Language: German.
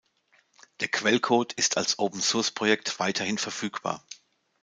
Der Quellcode ist als Open-Source-Projekt weiterhin verfügbar.